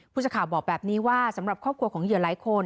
ผู้สื่อข่าวบอกแบบนี้ว่าสำหรับครอบครัวของเหยื่อหลายคน